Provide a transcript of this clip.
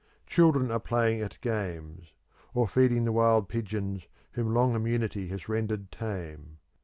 Children are playing at games, or feeding the wild pigeons whom long immunity has rendered tame.